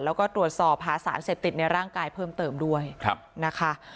แล้วก็ตรวจสอบหาสารเสพติดในร่างกายเพิ่มเติมด้วยนะคะ